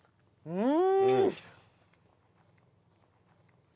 うん！